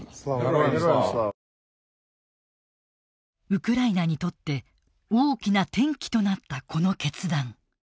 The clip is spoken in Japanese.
ウクライナにとって大きな転機となったこの決断。